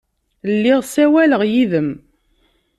Lliɣ ssawaleɣ yid-m.